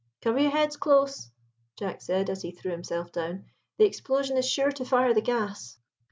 "Cover your heads close," Jack said as he threw himself down; "the explosion is sure to fire the gas."